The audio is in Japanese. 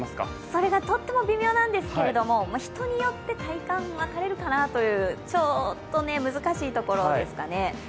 それがとっても微妙なんですけれども、人によって体感が違うかなというちょっと難しいところですかね。